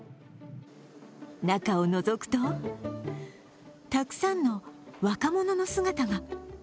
中をのぞくと、たくさんの若者の姿が。